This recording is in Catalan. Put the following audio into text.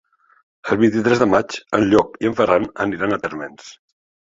El vint-i-tres de maig en Llop i en Ferran aniran a Térmens.